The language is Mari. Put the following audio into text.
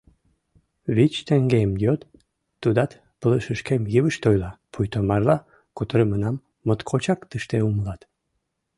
— Вич теҥгем йод, — тудат пылышышкем йывышт ойла, пуйто марла кутырымынам моткочак тыште умылат.